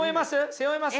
背負えます？